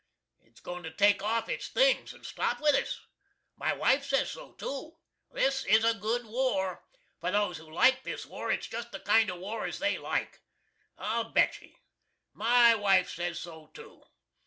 It's goin' to take off its things and stop with us. My wife says so too. This is a good war. For those who like this war, it's just such a kind of war as they like. I'll bet ye. My wife says so too.